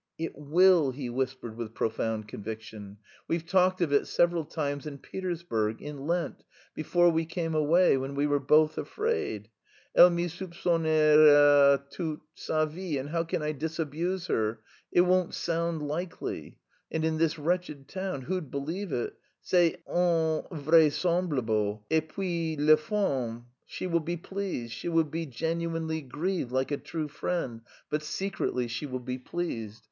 "It will," he whispered with profound conviction. "We've talked of it several times in Petersburg, in Lent, before we came away, when we were both afraid.... Elle me soupçonnera toute sa vie... and how can I disabuse her? It won't sound likely. And in this wretched town who'd believe it, c'est invraisemblable.... Et puis les femmes, she will be pleased. She will be genuinely grieved like a true friend, but secretly she will be pleased....